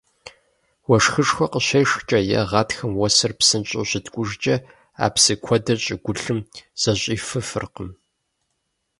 Уэшхышхуэ къыщешхкӀэ е гъатхэм уэсыр псынщӀэу щыткӀужкӀэ а псы куэдыр щӀыгулъым зэщӀифыфыркъым.